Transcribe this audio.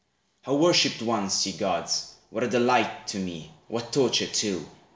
How worshipped once, ye gods, what a delight To me, what torture, too!